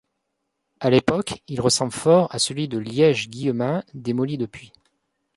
À l'époque, il ressemble fort à celui de Liège Guillemins, démoli depuis.